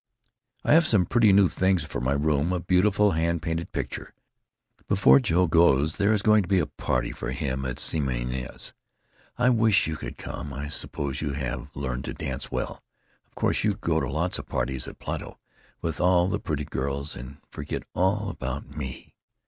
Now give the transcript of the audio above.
I have some pretty new things for my room, a beautiful hand painted picture. Before Joe goes there is going to be a party for him at Semina's. I wish you could come I suppose you have learned to dance well, of course you go to lots of parties at Plato with all the pretty girls & forget all about me.